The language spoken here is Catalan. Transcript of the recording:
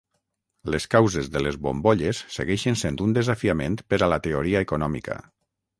Les causes de les bombolles segueixen sent un desafiament per a la teoria econòmica.